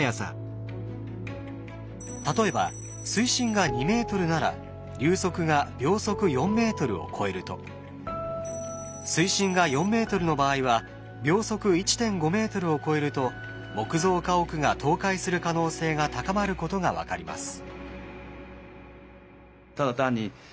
例えば水深が２ｍなら流速が秒速４ｍを超えると水深が４ｍの場合は秒速１．５ｍを超えると木造家屋が倒壊する可能性が高まることが分かります。